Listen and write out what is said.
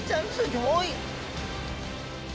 ギョい！